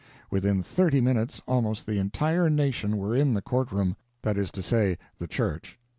Within thirty minutes almost the entire nation were in the court room that is to say, the church.